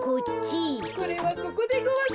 これはここでごわす。